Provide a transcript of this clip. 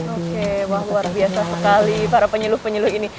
oke wah luar biasa sekali para penyuluh penyuluh ini